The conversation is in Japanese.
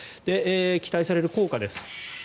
期待される効果です。